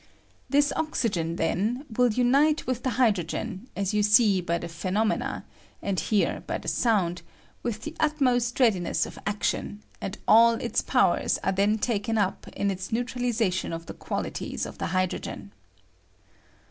This oxygen, then, will unite with the hydrogen, as you see by the phenomena, and hear by the sound, with the utmost readiness of action, and all its powers are then taken up in its neutralization of the quaUtiea of the hydrogen.